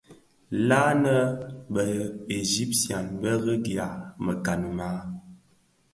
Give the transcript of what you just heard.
La nnë bë ya Egypten bë rëňgya mekani maa?